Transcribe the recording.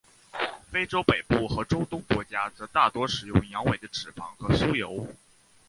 非洲北部和中东国家则大多使用羊尾的脂肪和酥油。